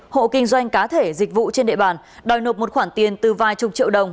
hộ kinh doanh cá thể dịch vụ trên địa bàn đòi nộp một khoản tiền từ vài chục triệu đồng